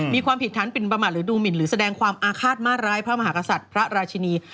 มีความผิดฐานปิ่นประมาทหรือดูหมินหรือแสดงความอาฆาตมาร้ายพระมหากษัตริย์พระราชินี